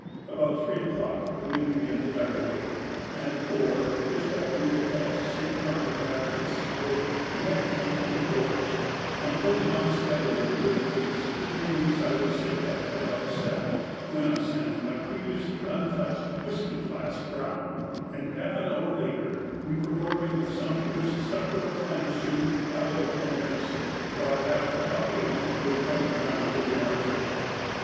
About three o'clock the wind began to die away, and at four, just after we had passed St. John the Baptist's Bay, we had to take to the oars, and, pulling on steadily at a good pace, came in sight of Sitka at about seven, when I sent my previously untouched whisky flask round, and half an hour later we were ordering a sumptuous supper of clam soup, halibut, and venison, while half the population were crowding round to hear our tale.